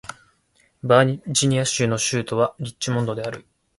バージニア州の州都はリッチモンドである